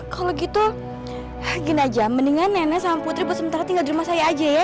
kalau gitu gini aja mendingan nenek sama putri bu sementara tinggal di rumah saya aja ya